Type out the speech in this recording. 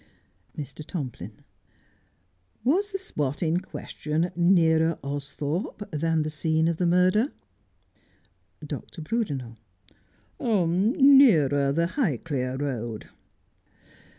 Mr. Tomplin : Was the spot in question nearer Austhorpe than the scene of the murder 1 Dr. Erudenel : Nearer the Highclere Eoad.